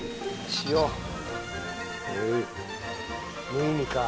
無意味か。